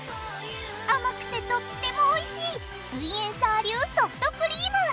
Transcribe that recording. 甘くてとってもおいしいすイエんサー流ソフトクリーム！